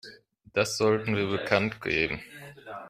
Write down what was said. Das sollten wir bekanntgeben.